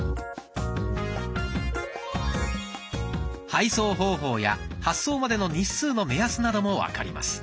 配送方法や発送までの日数の目安なども分かります。